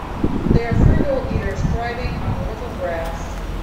They are frugal eaters, thriving on little grass.